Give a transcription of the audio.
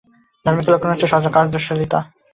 ধার্মিকের লক্ষণ হচ্ছে সদা কার্যশীলতা।